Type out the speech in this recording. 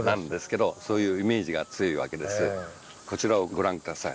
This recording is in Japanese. こちらをご覧下さい。